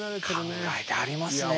考えてありますねえ。